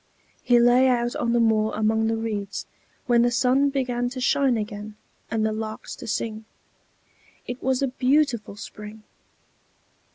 He lay out on the moor among the reeds, when the sun began to shine again and the larks to sing; it was a beautiful spring.